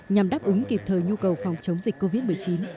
nhằm đáp ứng kịp thời nhu cầu phòng chống dịch covid một mươi chín